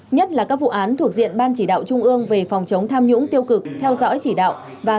nhất là các vụ án thuộc diện ban chỉ đạo trung ương về phòng chống tham nhũng tiêu cực theo dõi chỉ đạo